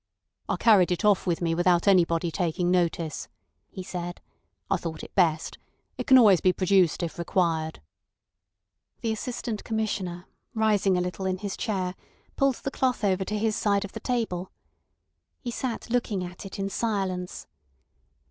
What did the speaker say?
"I carried it off with me without anybody taking notice," he said. "I thought it best. It can always be produced if required." The Assistant Commissioner, rising a little in his chair, pulled the cloth over to his side of the table. He sat looking at it in silence.